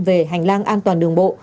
về hành lang an toàn đường bộ